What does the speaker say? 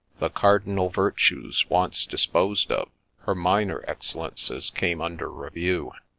The cardinal virtues once disposed of. her minor excellences came under review.